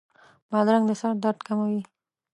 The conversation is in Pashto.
بادرنګ د سر درد کموي.